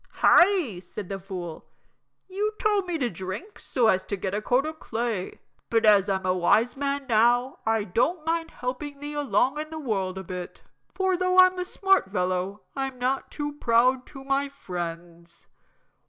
"Hi!" said the fool. "You told me to drink so as to get a coat o' clay; but as I'm a wise man now I don't mind helping thee along in the world a bit, for though I'm a smart fellow I'm not too proud to my friends."